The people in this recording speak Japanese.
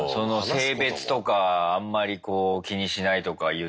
性別とかあんまりこう気にしないとか言ってたりね。